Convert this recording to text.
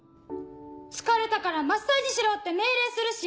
疲れたからマッサージしろって命令するし。